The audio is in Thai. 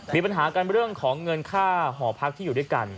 มีปัญหากันเรื่องของเงินค่าหอพักที่อยู่ด้วยกัน